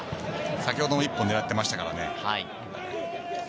先ほども１本狙っていましたからね。